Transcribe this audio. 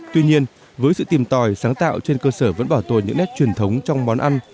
tuy nhiên với sự tìm tòi sáng tạo trên cơ sở vẫn bảo tồn những nét truyền thống trong món ăn